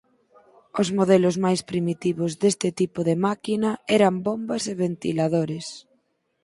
Os modelos máis primitivos deste tipo de máquina eran bombas e ventiladores.